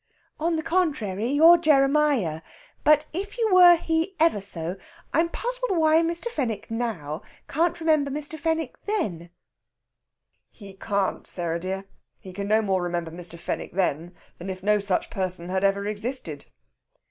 "On the contrary, you're Jeremiah. But if you were he ever so, I'm puzzled why Mr. Fenwick now can't remember Mr. Fenwick then." "He can't, Sarah dear. He can no more remember Mr. Fenwick then than if no such person had ever existed."